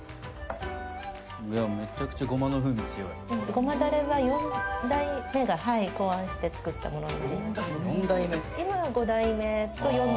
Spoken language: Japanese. ごまだれは四代目が考案して作ったものに。